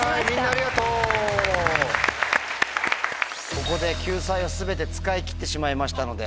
ここで救済を全て使い切ってしまいましたので。